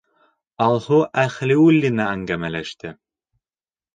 Алһыу ӘҺЛИУЛЛИНА әңгәмәләште.